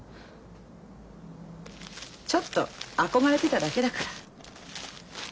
ちょっと憧れてただけだから。